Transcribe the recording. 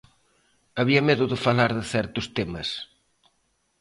Había medo de falar de certos temas.